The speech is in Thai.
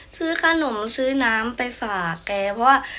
ซื้อขนมซื้อน้ำไปฝากแกเพราะว่า